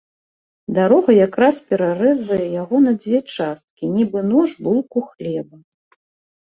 Дарога якраз перарэзвае яго на дзве часткі, нібы нож булку хлеба.